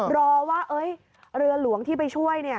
รอว่าเรือหลวงที่ไปช่วย